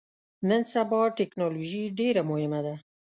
نن سبا ټکنالوژي ډیره مهمه ده